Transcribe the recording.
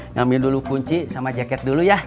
ngambil dulu kunci sama jaket dulu ya